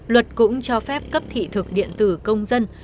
luật cũng cho phép cấp thị thực điện tử công dân